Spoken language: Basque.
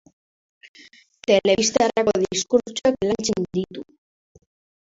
Telebistarako diskurtsoak lantzen ditu.